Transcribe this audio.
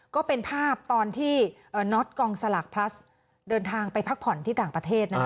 ก็เป็นภาพตอนที่น็อตกองสลากพลัสเดินทางไปพักผ่อนที่ต่างประเทศ